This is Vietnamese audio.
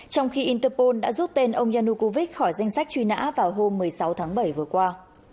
trong khi interpol đã rút tên ông yannucovich khỏi danh sách truy nã vào hôm một mươi sáu tháng bảy vừa qua